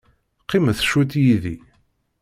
Qqimet cwiṭ yid-i.